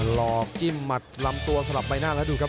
หลอกจิ้มหมัดลำตัวสลับใบหน้าแล้วดูครับ